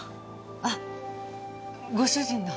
あご主人の。